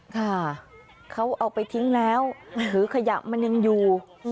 ค่ะเขาเอาไปทิ้งแล้วหรือขยะมันยังอยู่